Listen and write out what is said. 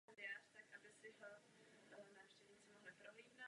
Stav lidských práv v Bělorusku by nás měl znepokojovat.